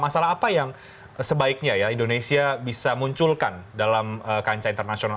masalah apa yang sebaiknya ya indonesia bisa munculkan dalam kancah internasional